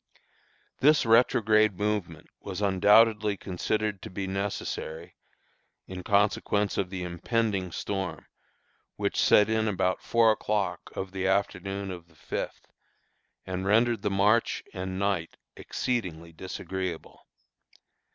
This retrograde movement was undoubtedly considered to be necessary in consequence of the impending storm, which set in about four o'clock of the afternoon of the fifth, and rendered the march and night exceedingly disagreeable.